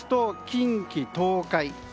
近畿・東海